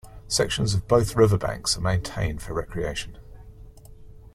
Sections of both river banks are maintained for recreation.